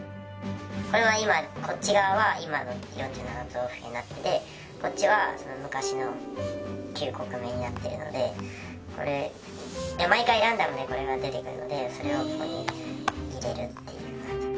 これは今、こっち側は今の４７都道府県になっててこっちは昔の旧国名になっているので毎回、ランダムで出てくるのでそれを入れるっていう感じ。